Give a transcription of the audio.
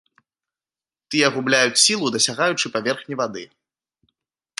Тыя губляюць сілу, дасягаючы паверхні вады.